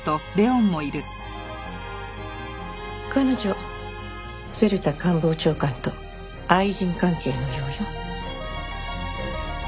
彼女鶴田官房長官と愛人関係のようよ。